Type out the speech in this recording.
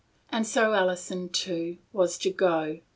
And so Alison, too, was to go.